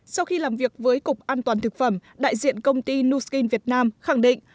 sau khi làm việc với cục an toàn thực phẩm đại diện công ty nuskin việt nam khẳng định